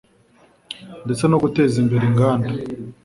ndetse no guteza imbere inganda